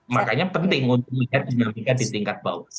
makanya penting untuk melihat dinamika di tingkat bawah